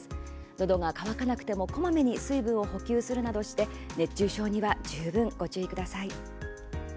のどが渇かなくてもこまめに水分を補給するなどして熱中症には十分ご注意ください。